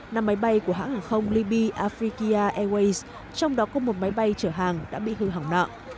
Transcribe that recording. nằm máy bay của hãng hàng không libby africa airways trong đó có một máy bay trở hàng đã bị hư hỏng nặng